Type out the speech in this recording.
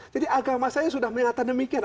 jadi agama saya sudah mengatakan demikian